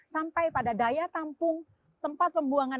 sampai pada daya tampung tempat pembuangan